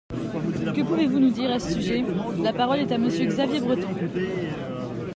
Que pouvez-vous nous dire à ce sujet ? La parole est à Monsieur Xavier Breton.